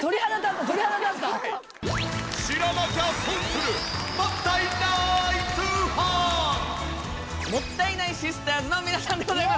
知らなきゃ損する！もったいないシスターズの皆さんでございます。